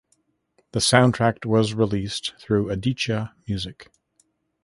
The soundtrack was released through Aditya Music.